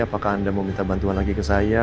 apakah anda mau minta bantuan lagi ke saya